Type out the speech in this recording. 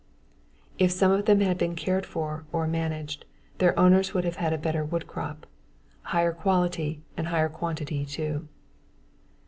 If some of them had been cared for, or "managed", their owners would have had a better wood crop higher quality and higher quantity too.